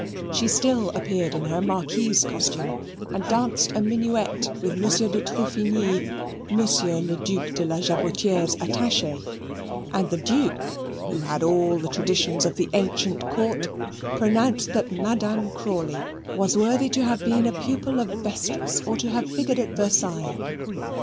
She still appeared in her Marquise costume and danced a minuet with Monsieur de Truffigny, Monsieur Le Duc de la Jabotiere's attache; and the Duke, who had all the traditions of the ancient court, pronounced that Madame Crawley was worthy to have been a pupil of Vestris, or to have figured at Versailles.